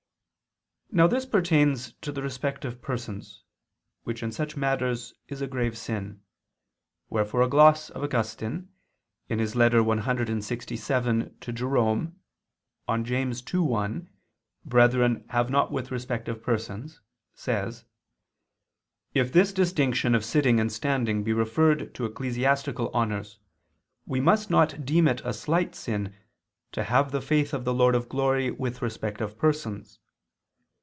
Now this pertains to the respect of persons, which in such matters is a grave sin. Wherefore a gloss of Augustine [*Ep. clxvii ad Hieron.] on James 2:1, "Brethren, have not ... with respect of persons," says: "If this distinction of sitting and standing be referred to ecclesiastical honors, we must not deem it a slight sin to 'have the faith of the Lord of glory with respect of persons.'